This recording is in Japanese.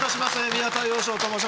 宮田陽・昇と申します。